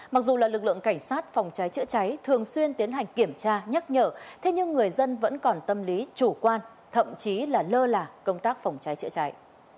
mặc dù là lực lượng cảnh sát phòng cháy chữa cháy thường xuyên tiến hành kiểm tra nhắc nhở thế nhưng người dân vẫn còn tâm lý chủ quan thậm chí là lơ là công tác phòng cháy chữa cháy